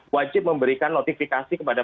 wajib memberikan notifikasi kepada